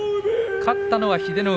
勝ったのは英乃海。